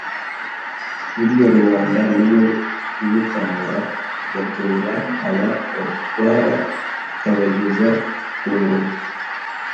Burya Rubanda niyo ibutanga Igatora aba badutwara ikabageza ku ngoma